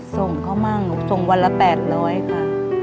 ส่งเขาบ้างส่งวันละแปดร้อยค่ะ